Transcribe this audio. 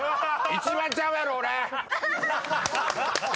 一番ちゃうやろ俺！